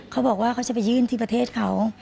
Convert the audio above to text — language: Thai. เขาบอกว่าเขาจะไปยื่นที่ประเทศเขา